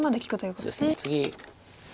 そうですね。